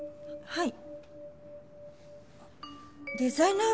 はい。